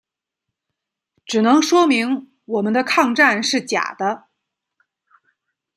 只能说明我们的抗战是假的。